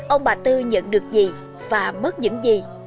ông bà tư nhận được gì và mất những gì